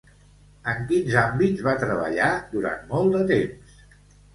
En quins àmbits va treballar durant molt de temps?